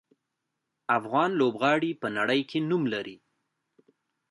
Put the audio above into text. افغان لوبغاړي په نړۍ کې نوم لري.